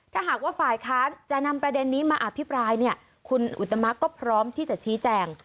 ถ้าหากว่าฝ่ายค้านจะนำประเด็นนี้มาอภิปรายเนี่ยคุณอุตมะก็พร้อมที่จะชี้แจง